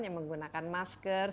yang menggunakan masker